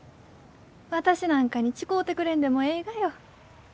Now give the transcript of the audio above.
私なんかに誓うてくれんでもえいがよ。